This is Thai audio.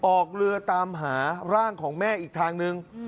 ออกเรือตามหาร่างของแม่อีกทางนึง